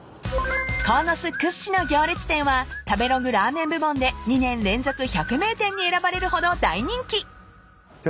［鴻巣屈指の行列店は食べログラーメン部門で２年連続百名店に選ばれるほど大人気］じゃ